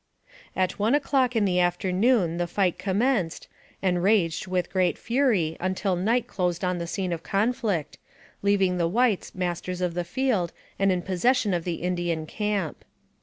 At 1 o'clock in the afternoon the fight commenced, and raged, with great fury, until night closed on the scene of conflict, leaving the whites masters of the field and in possession of the Indian camp.